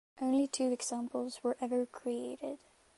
Only two examples were ever created.